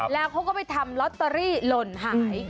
แล้วเขาก็ไปทำลอตเตอรี่หล่นหาย